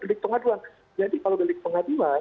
delik pengaduan jadi kalau delik pengadilan